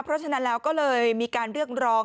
เพราะฉะนั้นแล้วก็เลยมีการเรียกร้อง